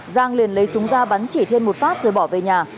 giang liền lấy súng ra bắn chỉ thiên một phát rồi bỏ về nhà